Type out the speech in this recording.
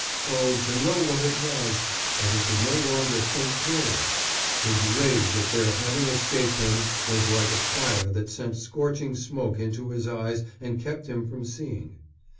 Oh, to know what it was! But he could no longer think clearly. His rage at their having escaped him was like a fire that sent scorching smoke into his eyes and kept him from seeing.